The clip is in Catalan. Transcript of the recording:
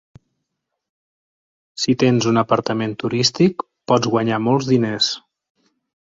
Si tens un apartament turístic, pots guanyar molts diners.